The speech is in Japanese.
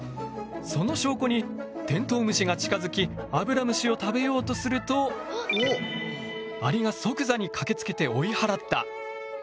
その証拠にテントウムシが近づきアブラムシを食べようとするとアリが即座にかけつけて追い払った。